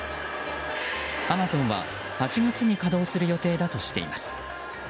アマゾンは、８月に稼働する予定だとしています。